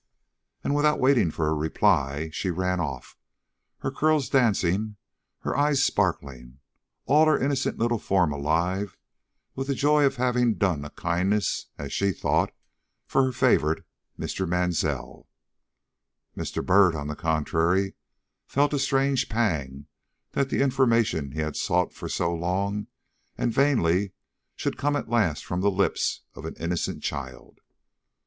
And without waiting for a reply, she ran off, her curls dancing, her eyes sparkling, all her little innocent form alive with the joy of having done a kindness, as she thought, for her favorite, Mr. Mansell. Mr. Byrd, on the contrary, felt a strange pang that the information he had sought for so long and vainly should come at last from the lips of an innocent child.